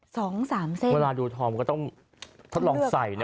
สองสามเส้นเวลาดูทองก็ต้องเขาลองใส่เนี้ย